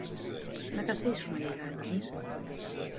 Να καθίσομε λιγάκι.